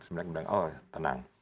sebenarnya bilang oh tenang